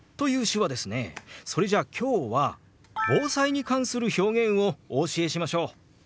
それじゃあ今日は防災に関する表現をお教えしましょう！